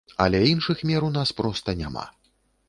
Але іншых мер у нас проста няма!